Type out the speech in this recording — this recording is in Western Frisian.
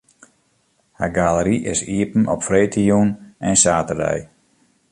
Har galery is iepen op freedtejûn en saterdei.